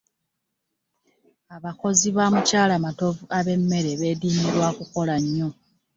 Abakozi ba mukyala Matovu abemmere beediimye lwa kukola nnyo.